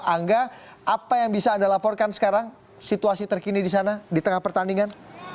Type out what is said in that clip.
angga apa yang bisa anda laporkan sekarang situasi terkini di sana di tengah pertandingan